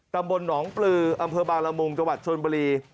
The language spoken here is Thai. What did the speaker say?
ตำรวจสภหนองปลื้ออำเภอบางละมุงจวัตรชนบุรี